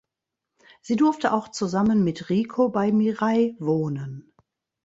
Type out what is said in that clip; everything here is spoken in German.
Sie durfte auch zusammen mit Riko bei Mirai wohnen.